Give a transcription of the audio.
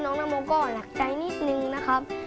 น้องน้องโมโก็ตัดใจนิดหนึ่งนะครับ